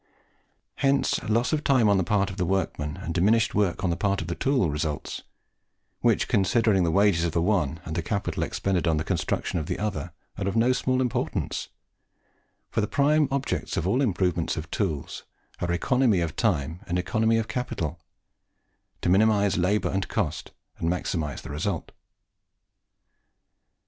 Hence loss of time on the part of the workman, and diminished work on the part of the tool, results which, considering the wages of the one and the capital expended on the construction of the other, are of no small importance; for the prime objects of all improvement of tools are, economy of time and economy of capital to minimize labour and cost, and maximize result.